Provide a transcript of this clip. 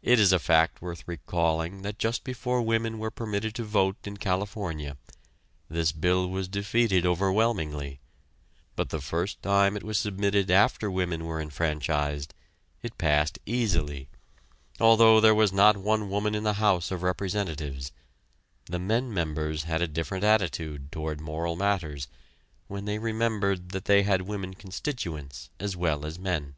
It is a fact worth recalling that just before women were permitted to vote in California, this bill was defeated overwhelmingly, but the first time it was submitted after women were enfranchised it passed easily, although there was not one woman in the house of representatives; the men members had a different attitude toward moral matters when they remembered that they had women constituents as well as men.